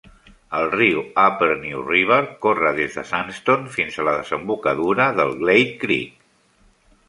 El riu Upper New River corre des de Sandstone fins a la desembocadura del Glade Creek.